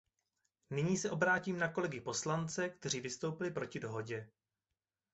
Nyní se obrátím na kolegy poslance, kteří vystoupili proti dohodě.